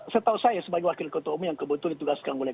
setahu saya sebagai wakil ketua umum yang kebetulan ditugaskan oleh